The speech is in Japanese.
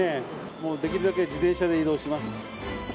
もうできるだけ自転車で移動します。